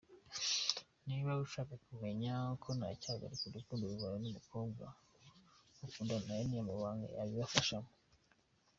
Niba ushaka kumenya ko ntacyahagarika urukundo rwawe n’umukobwa mukundana aya ni amabanga yabigufashamo.